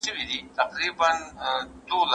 که انلاین زده کړه وي چاپېریال ثابت وي.